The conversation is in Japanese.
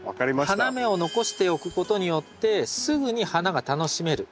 花芽を残しておくことによってすぐに花が楽しめる。